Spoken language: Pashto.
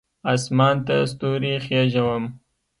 اسمان ته ستوري خیژوم